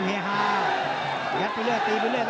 มันต้องอย่างงี้มันต้องอย่างงี้